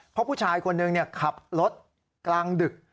เพราะผู้ชายคนหนึ่งขับรถกลางดึก